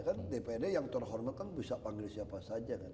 kan dprd yang terhormat kan bisa panggil siapa saja kan